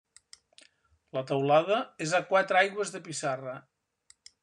La teulada és a quatre aigües de pissarra.